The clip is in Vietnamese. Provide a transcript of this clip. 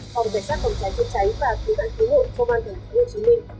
học giải sát phòng trái chết cháy và cứu đoạn cứu hộ phong an thành phố hồ chí minh